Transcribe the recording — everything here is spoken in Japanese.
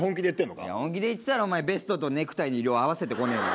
若林：本気で言ってたらお前、ベストとネクタイの色合わせてこねえだろ。